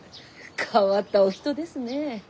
変わったお人ですね。